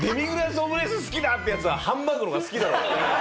オムライス好きだ！ってヤツはハンバーグの方が好きだろう。